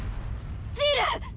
ジール！